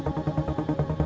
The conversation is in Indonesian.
ternyata baik juga orangnya